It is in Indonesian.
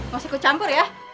mau ikut campur ya